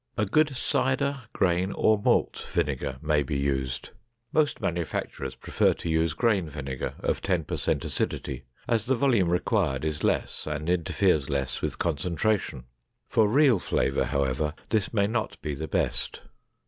A good cider, grain, or malt vinegar may be used. Most manufacturers prefer to use grain vinegar of ten per cent acidity, as the volume required is less and interferes less with concentration. For real flavor, however, this may not be the best.